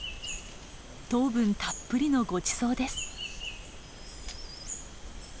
糖分たっぷりのごちそうです。